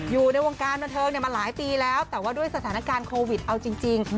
อยู่ในวงการบันเทิงมาหลายปีแล้วแต่ว่าด้วยสถานการณ์โควิดเอาจริง